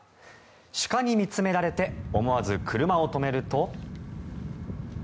シカに見つめられて思わず車を止めると。